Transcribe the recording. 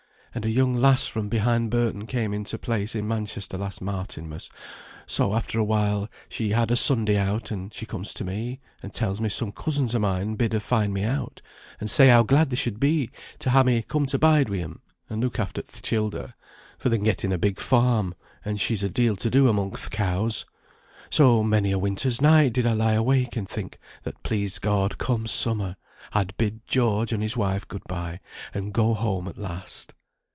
And a young lass from behind Burton came into place in Manchester last Martinmas; so after awhile, she had a Sunday out, and she comes to me, and tells me some cousins o' mine bid her find me out, and say how glad they should be to ha' me to bide wi' 'em, and look after th' childer, for they'n getten a big farm, and she's a deal to do among th' cows. So many a winter's night did I lie awake and think, that please God, come summer, I'd bid George and his wife good bye, and go home at last.